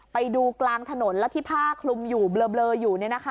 ไปดูกลางถนนแล้วที่ผ้าคลุมอยู่เบลออยู่